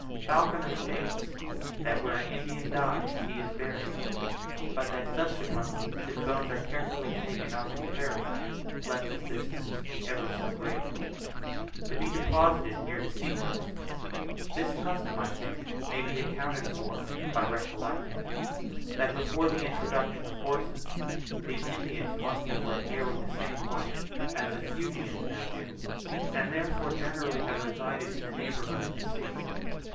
Falconer states, that where an Indian dies he is buried, but that subsequently his bones are carefully taken up and carried, let the distance be ever so great, to be deposited near the sea coast. This custom, I think, may be accounted for by recollecting, that before the introduction of horses, these Indians must have led nearly the same life as the Fuegians now do, and therefore generally have resided in the neighbourhood of the sea.